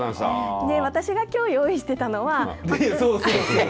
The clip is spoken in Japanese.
私がきょう用意していたのは。